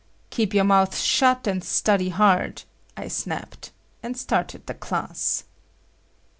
"Keep your mouth shut, and study hard," I snapped, and started the class.